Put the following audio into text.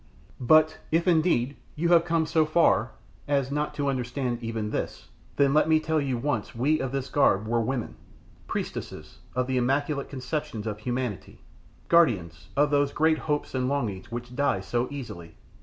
But if indeed you have come so far as not to understand even this, then let me tell you once we of this garb were women priestesses of the immaculate conceptions of humanity; guardians of those great hopes and longings which die so easily.